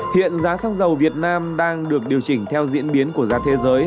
hiện giá xăng dầu việt nam đang được điều chỉnh theo diễn biến của giá thế giới